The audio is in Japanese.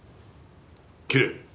切れ。